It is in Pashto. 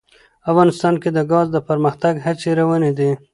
افغانستان کې د ګاز د پرمختګ هڅې روانې دي.